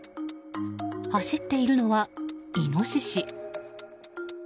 走っているのはイノシシ。